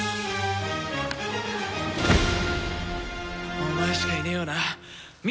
お前しかいねえよなミドは！